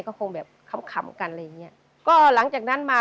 ลองขำกันอะไรอย่างนี้ก็หลังจากนั้นมา